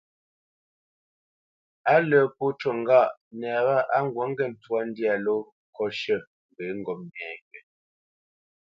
A lə́ pó cû ŋgâʼ nɛ wâ á ŋgǔt ŋgê ntwá ndyâ ló kot shʉ̂ ŋgwě ŋgop nɛŋgywa,